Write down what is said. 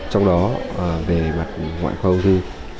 trong đó về mặt ngoại khoa ông thư